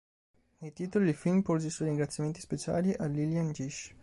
Nei titoli, il film porge i suoi ringraziamenti speciali a Lillian Gish.